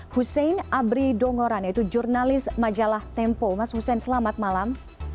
hussein abri dongoran yaitu jurnalis majalah tempo mas hussein selamat malam